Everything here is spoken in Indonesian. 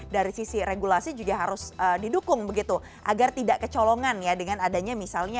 dari sisi regulasi juga harus didukung begitu agar tidak kecolongan ya dengan adanya misalnya